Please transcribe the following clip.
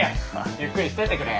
ゆっくりしてってくれ。